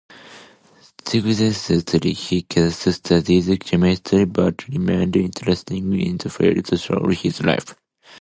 Subsequently, he ceased studying chemistry, but remained interested in the field throughout his life.